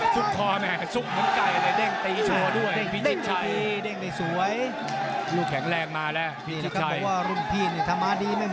สุดคอแม่สุดเหมือนไก่เลยเด้งตีชัวร์ด้วยพี่ชิดชัย